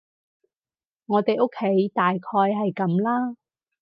我哋屋企大概係噉啦